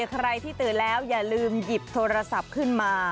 ใครที่ตื่นแล้วอย่าลืมหยิบโทรศัพท์ขึ้นมา